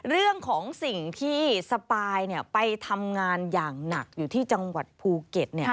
เรื่องของสิ่งที่สปายไปทำงานอย่างหนักอยู่ที่จังหวัดภูเก็ต